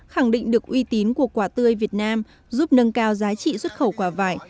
khẳng định được uy tín của quả tươi việt nam giúp nâng cao giá trị xuất khẩu quả vải